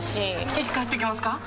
いつ帰ってきますか？